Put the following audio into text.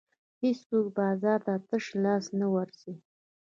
هېڅوک بازار ته تش لاس نه ورځي.